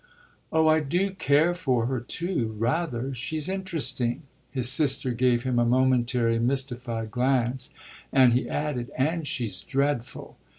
"Oh I do care for her too rather. She's interesting." His sister gave him a momentary, mystified glance and he added: "And she's dreadful."